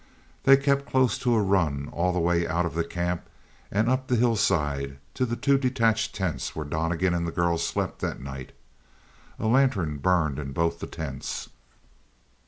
They kept close to a run all the way out of the camp and up the hillside to the two detached tents where Donnegan and the girl slept that night. A lantern burned in both the tents.